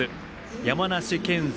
山梨県勢